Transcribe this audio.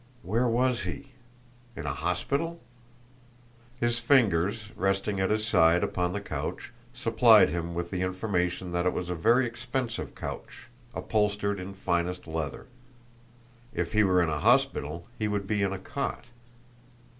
Where was he? In a hospital? His fingers, resting at his side upon the couch, supplied him with the information that it was a very expensive couch, upholstered in finest leather. If he were in a hospital, he would be in a cot.